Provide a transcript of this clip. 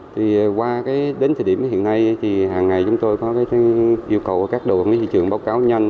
thì qua đến thời điểm hiện nay thì hàng ngày chúng tôi có cái yêu cầu các đầu mối thị trường báo cáo nhanh